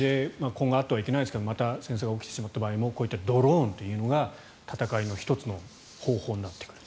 今後あってはいけないですがまた戦争が起きてしまった場合もこういったドローンというのが戦いの１つの方法になってくる。